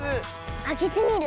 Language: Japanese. あけてみる？